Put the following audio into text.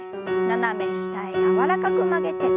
斜め下へ柔らかく曲げて。